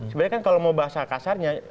sebenarnya kan kalau mau bahasa kasarnya